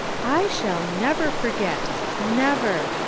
"I shall never forget. Never!